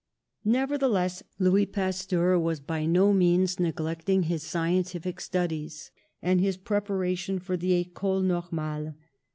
Nevertheless, Louis Pasteur was by no means neglecting his scientific studies and his prepa ration for the Ecole Normale.